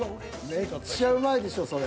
めっちゃうまいでしょそれ。